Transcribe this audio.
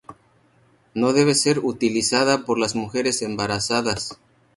No debe ser utilizada por las mujeres embarazadas.